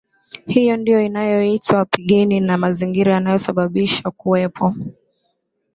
hiyo ndiyoinayoitwa Pigini na mazingira yanayosababisha kuwepo